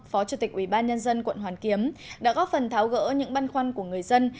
phó chủ tịch ubnd quận hoàn kiếm đã góp phần tháo gỡ những băn khoăn của người dân